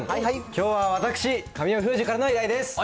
きょうは私、神尾楓珠からの依頼です。